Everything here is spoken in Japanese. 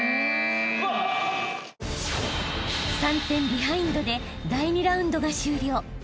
［３点ビハインドで第２ラウンドが終了］